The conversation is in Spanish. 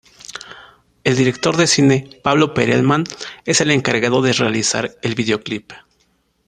El director de cine, Pablo Perelman, es el encargado de realizar el video clip.